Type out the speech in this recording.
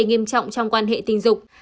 nghiêm trọng trong quan hệ tình dục